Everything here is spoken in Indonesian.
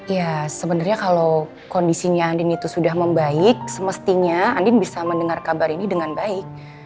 ya sebenarnya kalau kondisinya andin itu sudah membaik semestinya andin bisa mendengar kabar ini dengan baik